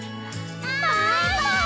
バイバイ！